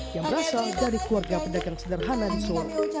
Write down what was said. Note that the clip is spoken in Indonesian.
berasal dari keluarga pedagang sederhana di solo